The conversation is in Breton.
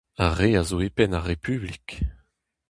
Ar re a zo e penn ar Republik.